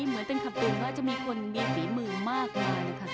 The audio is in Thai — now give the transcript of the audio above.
เหมือนเป็นขับตูนว่าจะมีคนมีฝีมือมากนาน